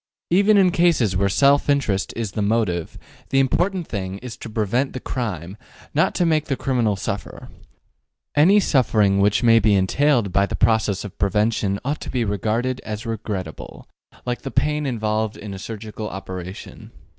Even in cases where self interest is the motive, the important thing is to prevent the crime, not to make the criminal suffer. Any suffering which may be entailed by the process of prevention ought to be regarded as regrettable, like the pain involved in a surgical operation.